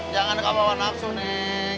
jangan kebawah nafsu neng